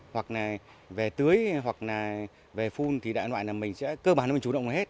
hoặc là về tưới hoặc là về phun thì đại loại là mình sẽ cơ bản mình chủ động hết